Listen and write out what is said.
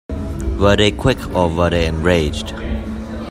Were they quick or were they enraged?